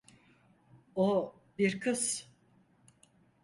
O bir kız.